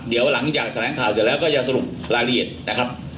เดี๋ยวหลังจากแถลงข่าวเสร็จแล้วก็จะสรุปรายละเอียดนะครับ